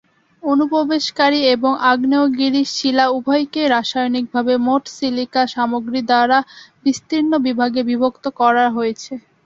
অনুপ্রবেশকারী এবং আগ্নেয়গিরির শিলা উভয়কেই রাসায়নিকভাবে মোট সিলিকা সামগ্রী দ্বারা বিস্তৃত বিভাগে বিভক্ত করা হয়েছে।